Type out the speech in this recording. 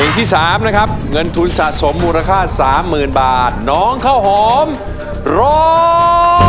ที่๓นะครับเงินทุนสะสมมูลค่าสามหมื่นบาทน้องข้าวหอมร้อง